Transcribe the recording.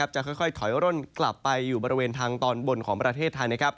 จะค่อยถอยร่นกลับไปอยู่บริเวณทางตอนบนของประเทศไทย